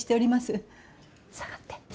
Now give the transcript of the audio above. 下がって。